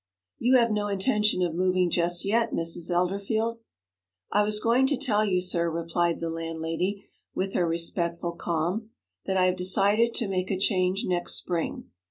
'You have no intention of moving just yet, Mrs. Elderfield?' 'I was going to tell you, sir,' replied the landlady, with her respectful calm, 'that I have decided to make a change next spring.